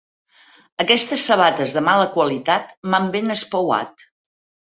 Aquestes sabates de mala qualitat m'han ben espeuat.